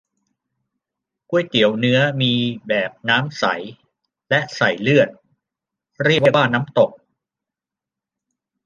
ก๋วยเตี๋ยวเนื้อ มีแบบน้ำใส และใส่เลือด เรียกว่าน้ำตก